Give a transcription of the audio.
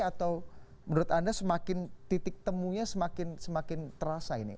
atau menurut anda semakin titik temunya semakin terasa ini